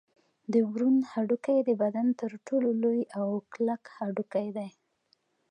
د ورون هډوکی د بدن تر ټولو لوی او کلک هډوکی دی